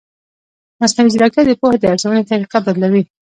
مصنوعي ځیرکتیا د پوهې د ارزونې طریقه بدلوي.